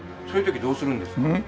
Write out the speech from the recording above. そういう時どうするんですか？